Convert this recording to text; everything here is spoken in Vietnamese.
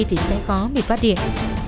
thì sẽ có bị phát điện